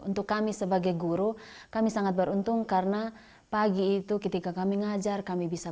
untuk kami sebagai guru kami sangat beruntung karena pagi itu ketika kami ngajar kami bisa